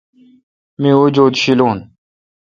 می۔ وجود شیلون۔